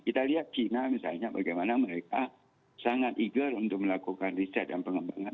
kita lihat china misalnya bagaimana mereka sangat eagle untuk melakukan riset dan pengembangan